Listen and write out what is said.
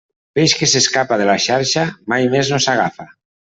Peix que s'escapa de la xarxa mai més no s'agafa.